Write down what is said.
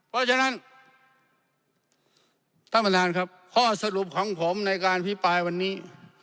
เพราะฉะนั้นท่านประธานครับข้อสรุปของผมในการพิปรายวันนี้